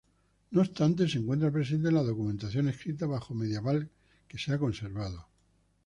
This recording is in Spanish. No obstante, se encuentra presente en la documentación escrita bajomedieval que se ha conservado.